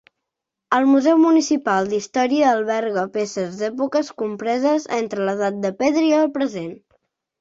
El museu municipal d'història alberga peces d'èpoques compreses entre l'edat de Pedra i el present.